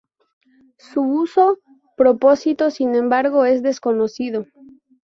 Su uso o propósito, sin embargo, es desconocido.